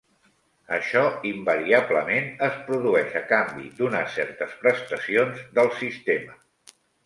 Això invariablement es produeix a canvi d'unes certes prestacions del sistema.